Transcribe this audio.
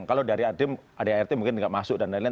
kalau dari adart mungkin nggak masuk dan lain lain